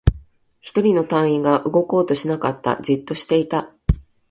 一人の隊員が動こうとしなかった。じっとしていた。